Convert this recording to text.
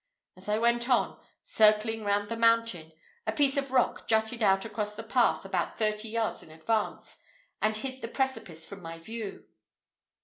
As I went on, circling round the mountain, a piece of rock jutted out across the path about thirty yards in advance, and hid the precipice from my view.